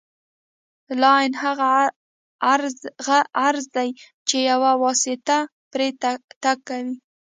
لاین هغه عرض دی چې یوه واسطه پرې تګ کوي